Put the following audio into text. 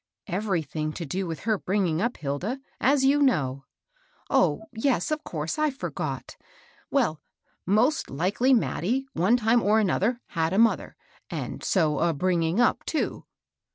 ''" Everything to do with her brin^g up, Hil da, as you know.'^ Oh, yes, of t;ouise ; I forgot Well, most like ly Mattie, one time or other, had a mother, and so a bringing up, too."